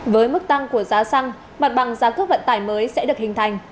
với mức tăng của giá xăng mặt bằng giá cước vận tải mới sẽ được hình thành